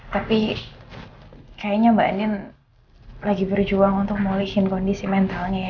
tapi kayaknya mbak nin lagi berjuang untuk mengulisin kondisi mentalnya ya